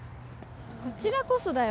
こちらこそだよ